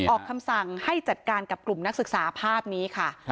ออกคำสั่งให้จัดการกับกลุ่มนักศึกษาภาพนี้ค่ะ